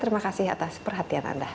terima kasih atas perhatian anda